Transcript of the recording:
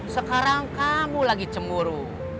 sekarang kamu lagi cemburu